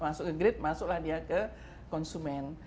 masuk ke grid masuklah dia ke konsumen